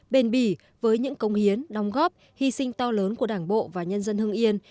bền bỉ với những công hiến đồng góp hy sinh to lớn của đảng bộ và nhân dân hương yên